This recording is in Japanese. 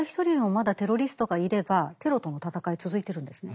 まだテロリストがいればテロとの戦い続いてるんですね。